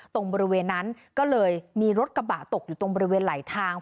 ตรงบริเวณนั้นก็เลยมีรถกระบะตกอยู่ตรงบริเวณไหลทาง